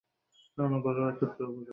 আরে, অন্তত নাস্তাটা তো করে যান।